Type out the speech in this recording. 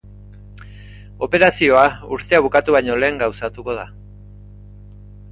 Operazioa urtea bukatu baino lehen gauzatuko da.